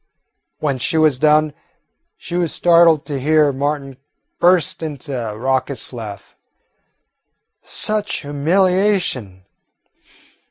When she was done, she was startled to hear Martin burst into a raucous laugh. Such humiliation!